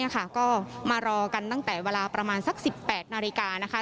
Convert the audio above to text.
ก็มารอกันตั้งแต่เวลาประมาณสัก๑๘นาฬิกานะคะ